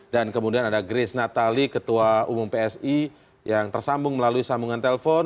dan kemudian ada grace natali ketua umum psi yang tersambung melalui sambungan telepon